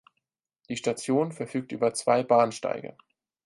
Die Station verfügt über zwei Bahnsteige.